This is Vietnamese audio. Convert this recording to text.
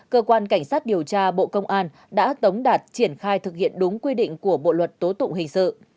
cơ quan cảnh sát điều tra bộ công an đã tống đạt triển khai thực hiện đúng quy định của bộ luật tố tụng hình sự